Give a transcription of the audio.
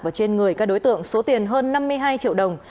và trên người các đối tượng số tiền hơn năm mươi hai triệu đồng